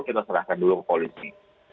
kita serahkan dulu ke polisi